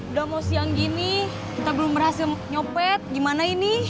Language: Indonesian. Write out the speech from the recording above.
udah mau siang gini kita belum berhasil nyopet gimana ini